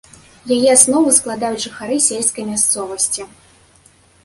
Яе аснову складаюць жыхары сельскай мясцовасці.